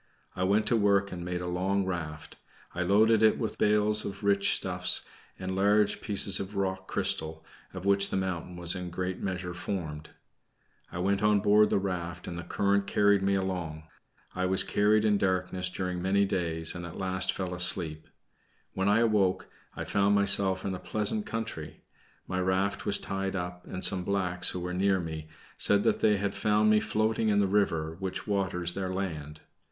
I went to work and made a long raft. I loaded it with bales of rich stuffs, and large pieces of rock crystal, of which the mountain was in a great measure formed. I went on board the raft, and the current carried me along. I was carried in darkness during many days, and at last fell asleep. When I awoke, I found myself in a pleasant country. My raft was tied up and some blacks, who were near me, said that they had found me floating in the river which waters their land.